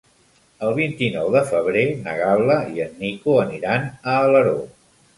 El vint-i-nou de febrer na Gal·la i en Nico aniran a Alaró.